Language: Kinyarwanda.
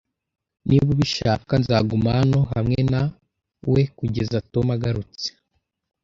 Niba ubishaka, nzaguma hano hamwe nawe kugeza Tom agarutse